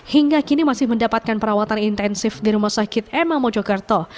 hingga kini masih mendapatkan perawatan intensif di rumah sakit emma mojokerto